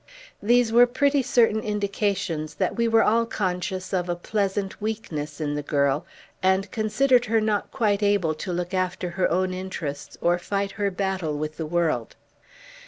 These were pretty certain indications that we were all conscious of a pleasant weakness in the girl, and considered her not quite able to look after her own interests or fight her battle with the world.